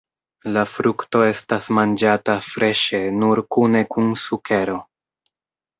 La frukto estas manĝata freŝe nur kune kun sukero.